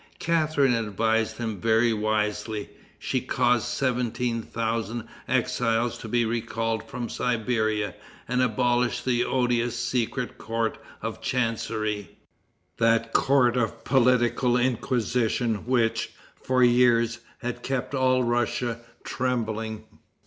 Catharine advised him very wisely. She caused seventeen thousand exiles to be recalled from Siberia, and abolished the odious secret court of chancery that court of political inquisition which, for years, had kept all Russia trembling.